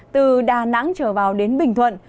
từ đà nẵng trở vào đến bình thuận